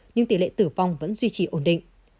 nhưng tỷ lệ tử vong vẫn duy trì ổn định